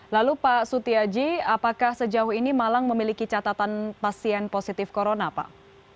lalu pak sutiaji apakah sejauh ini malang memiliki catatan pasien positif corona pak